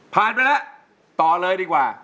ไปแล้วต่อเลยดีกว่า